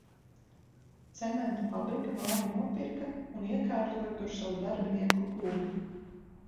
Cementa fabrika māju nopirka un iekārtoja tur savu darbinieku klubu.